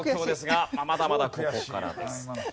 まだまだここからです。